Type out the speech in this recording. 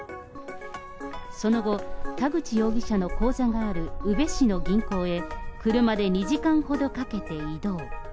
その後、田口容疑者の口座がある宇部市の銀行へ車で２時間ほどかけて移動。